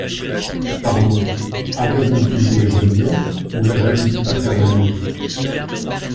Pardon… avez-vous vu jouer Geneviève ou la jalousie paternelle ?…